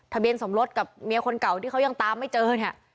ทะเบียนสมรสกับเมียคนเก่าที่เขายังตามไม่เจอเนี่ย